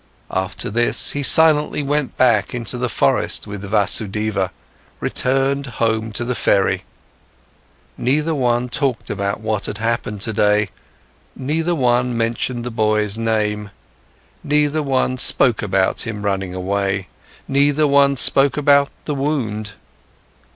After this, he silently went back into the forest with Vasudeva, returned home to the ferry. Neither one talked about what had happened today, neither one mentioned the boy's name, neither one spoke about him running away, neither one spoke about the wound.